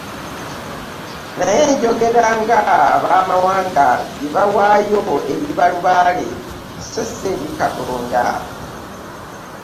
Naye njogera ng'ab'amawanga bye bawaayo bawa eri balubaale, so si eri Katonda.